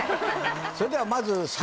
それではまず。